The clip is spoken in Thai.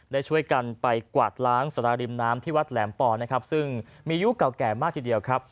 ได้ช่วยกันไปกวาดล้างสาราริมน้ำที่วัดแหลมปอนะครับซึ่งมียุคเก่าแก่มากทีเดียวครับ